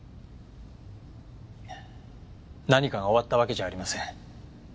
何かが終わったわけじゃありません。